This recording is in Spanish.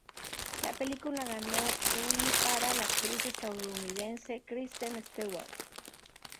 La película ganó un para la actriz estadounidense Kristen Stewart.